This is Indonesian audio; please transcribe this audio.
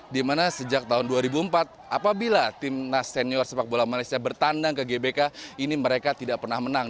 dimana sejak tahun dua ribu empat apabila timnas senior sepak bola malaysia bertandang ke gbk ini mereka tidak pernah menang